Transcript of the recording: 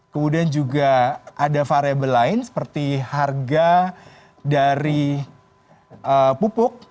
kemudian juga ada variable lain seperti harga dari pupuk